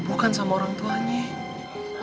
bukan sama orang tuanya